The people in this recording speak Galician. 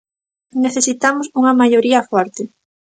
Necesitamos unha maioría forte.